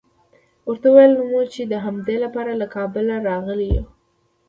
ورته ویل مو چې د همدې لپاره له کابله راغلي یوو.